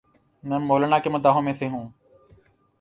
میں مولانا کے مداحوں میں سے ہوں۔